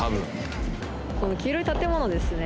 この黄色い建物ですね。